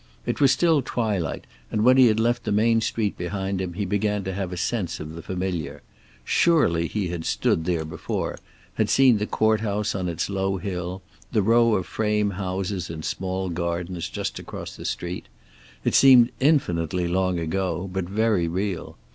It was still twilight, and when he had left the main street behind him he began to have a sense of the familiar. Surely he had stood here before, had seen the court house on its low hill, the row of frame houses in small gardens just across the street. It seemed infinitely long ago, but very real.